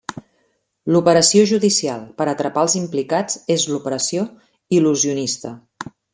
L'operació judicial per a atrapar als implicats és l'Operació Il·lusionista.